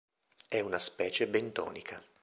È una specie bentonica.